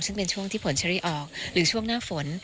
ซึ่งเป็นช่วงที่ผลเชอรี่ออกหรือช่วงหน้าฝน